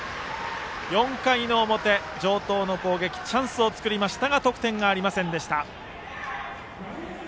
４回の表、城東の攻撃チャンスを作りましたが得点がありませんでした。